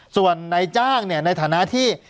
ส่วนในจ้างเนี่ยในฐานะที่